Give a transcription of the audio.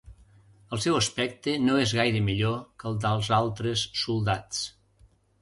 El seu aspecte no és gaire millor que el dels altres soldats.